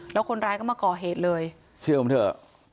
แล้วคนร้ายก็มาก่อเหตุเลยเชื่อผมเถอะ